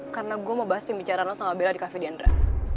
karena gue mau bahas pembicaraan lo sama bella di cafe d'andrea